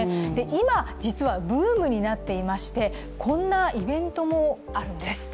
今、実はブームになっていまして、こんなイベントもあるんです。